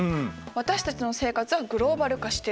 私たちの生活はグローバル化してる。